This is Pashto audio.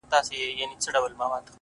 دا څه ليونى دی بيـا يـې وويـل،